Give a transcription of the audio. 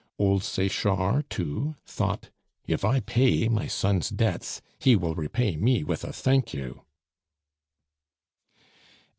Old Sechard, too, thought, "If I pay my son's debts, he will repay me with a 'Thank you!